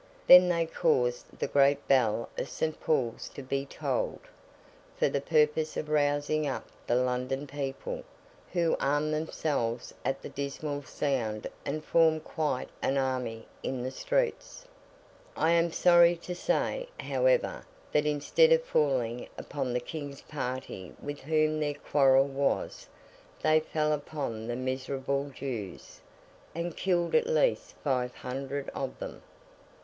Then they caused the great bell of St. Paul's to be tolled, for the purpose of rousing up the London people, who armed themselves at the dismal sound and formed quite an army in the streets. I am sorry to say, however, that instead of falling upon the King's party with whom their quarrel was, they fell upon the miserable Jews, and killed at least five hundred of them.